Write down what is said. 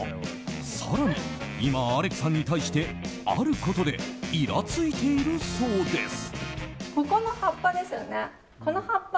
更に今、アレクさんに対してあることでイラついているそうです。